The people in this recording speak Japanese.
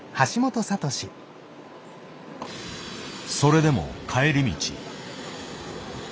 それでも帰り道。